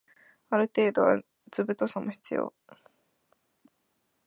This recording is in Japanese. ある程度は図太さも必要